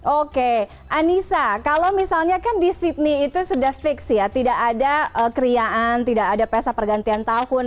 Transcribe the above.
oke anissa kalau misalnya kan di sydney itu sudah fix ya tidak ada kriaan tidak ada pesa pergantian tahun